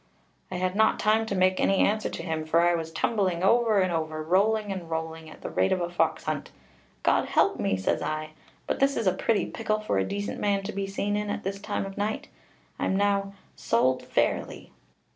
I had not time to make any answer to him, for I was tumbling over and over, and rolling and rolling, at the rate of a fox hunt. 'God help me!' says I, 'but this is a pretty pickle for a decent man to be seen in at this time of night: I am now sold fairly.'